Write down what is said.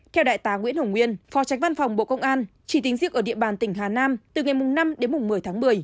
theo đại tá nguyễn hồng nguyên phó tránh văn phòng bộ công an chỉ tính riêng ở địa bàn tỉnh hà nam từ ngày năm đến một mươi tháng một mươi